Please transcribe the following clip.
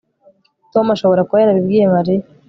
Tom ashobora kuba yarabibwiye Mariya